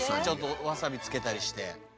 ちょっとわさびつけたりして。